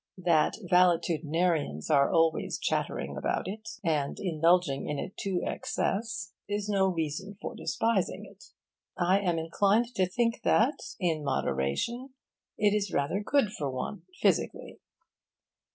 That valetudinarians are always chattering about it, and indulging in it to excess, is no reason for despising it. I am inclined to think that in moderation it is rather good for one, physically.